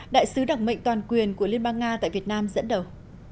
đại sứ đặc mệnh toàn quyền của liên bang nga tại việt nam dẫn đầu